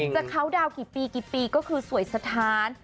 เคาน์ดาวนกี่ปีกี่ปีก็คือสวยสถาน